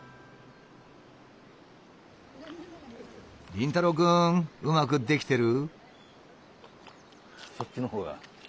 凛太郎くんうまくできてる？